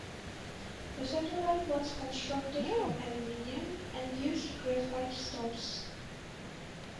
The satellite was constructed from aluminum and used graphite struts.